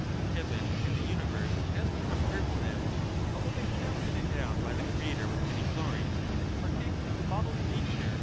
Heaven and the universe, as we but in an have termed them, although they have been endowed by opposite the Creator with many glories, partake of a bodily nature.